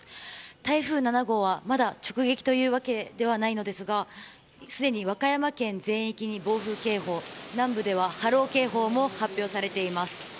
台風７号はまだ直撃というわけではないのですがすでに和歌山県全域に暴風警報南部では波浪警報も発表されています。